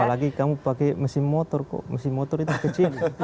apalagi kamu pakai mesin motor kok mesin motor itu kecil